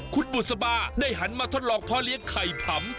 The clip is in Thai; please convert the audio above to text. คุณบุษบาได้หันมาทดลองพ่อเลี้ยงไข่ผำ